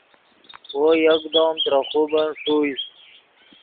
وو یکدم ترے خوبن ݰوئے